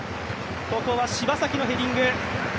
ここは柴崎のヘディング。